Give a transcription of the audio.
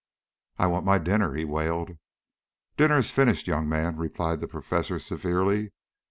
"I want my dinner," he wailed. "Dinner is finished, young man," replied the professor severely.